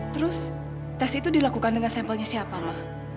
terus tes itu dilakukan dengan sampelnya siapa mah